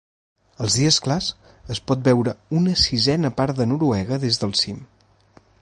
Als dies clars es pot veure una sisena part de Noruega des del cim.